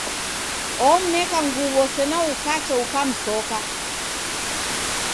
Omneka nguw'o sena ukacha ukamsoka.